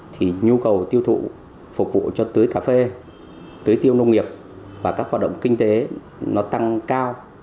thì nhu cầu tiêu thụ phục vụ cho tưới cà phê tưới tiêu nông nghiệp và các hoạt động kinh tế nó tăng cao